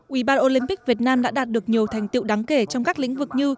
ủy ban olympic việt nam đã đạt được nhiều thành tiệu đáng kể trong các lĩnh vực như